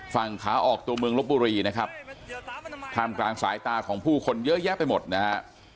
ฝั่งขาออกตัวเมืองลบบุรีนะครับท่ามกลางสายตาของผู้คนเยอะแยะไปหมดนะฮะ